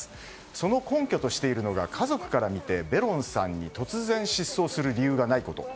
その根拠としているのが家族から見てベロンさんに、突然失踪する理由がないこと。